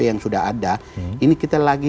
yang sudah ada ini kita lagi